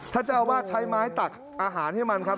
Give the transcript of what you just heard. ท่านเจ้าว่าใช้ไม้ตัดอาหารให้มันครับ